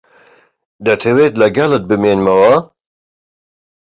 دەتەوێت لەگەڵت بمێنمەوە؟